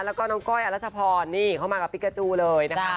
แล้วก็น้องก้อยอรัชพรนี่เข้ามากับติ๊กกาจูเลยนะคะ